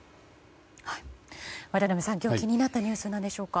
渡辺さん、今日気になったニュースは何でしょうか？